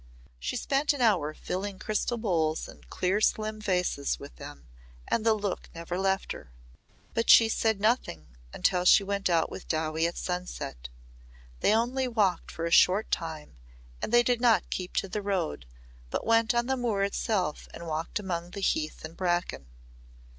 She spent an hour filling crystal bowls and clear slim vases with them and the look never left her. But she said nothing until she went out with Dowie at sunset. They only walked for a short time and they did not keep to the road but went on to the moor itself and walked among the heath and bracken.